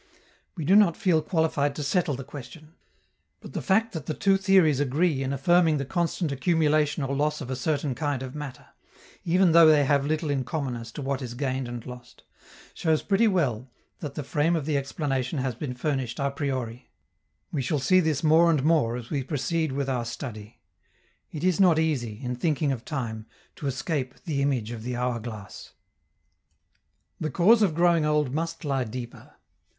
We do not feel qualified to settle the question. But the fact that the two theories agree in affirming the constant accumulation or loss of a certain kind of matter, even though they have little in common as to what is gained and lost, shows pretty well that the frame of the explanation has been furnished a priori. We shall see this more and more as we proceed with our study: it is not easy, in thinking of time, to escape the image of the hour glass. The cause of growing old must lie deeper.